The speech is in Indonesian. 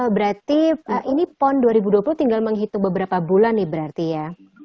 berarti ini pon dua ribu dua puluh tinggal menghitung beberapa bulan nih berarti ya